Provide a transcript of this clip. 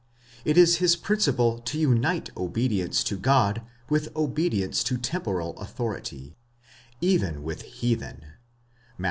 it is his principle to unite obedi ence to God with obedience to temporal authority, even when heathen (Matt.